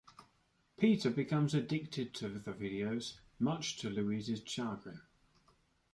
Peter becomes addicted to the videos, much to Lois's chagrin.